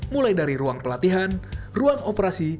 mulai dari ruang pelatihan ruang operasi